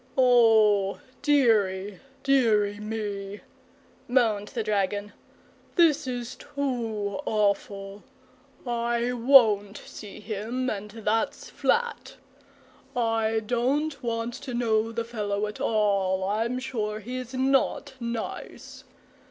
"O deary, deary me," moaned the dragon; "this is too awful. I won't see him, and that's flat. I don't want to know the fellow at all. I'm sure he's not nice.